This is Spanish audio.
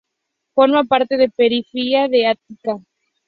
Forma parte de la periferia de Ática.